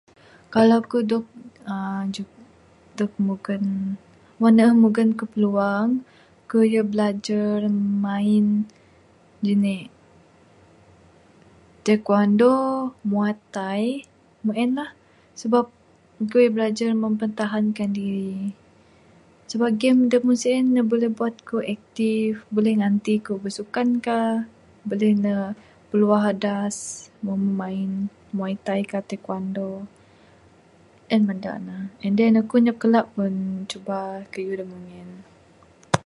Kalau ku dog uhh jug...dog nyugon...wang ne-eh nyugon ku piluang ku yu bilajar main janik taekwondo Muay Thai meng en la...sabab ku ira bilajar mempertahankan diri...sabab game da meng sien ne buleh buat ku aktif...buleh nganti ku bisukan ka...buleh ne piluah adas Wang main Muay Thai ka taekwondo...en bada ne...and then ku anyap kala pun cuba kayuh da meng en.